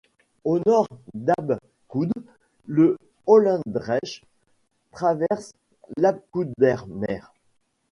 Au nord d'Abcoude, le Holendrecht traverse l'Abcoudermeer.